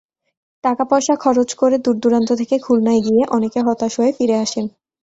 টাকাপয়সা খরচ করে দূরদূরান্ত থেকে খুলনায় গিয়ে অনেকে হতাশ হয়ে ফিরে আসেন।